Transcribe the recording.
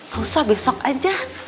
gak usah besok aja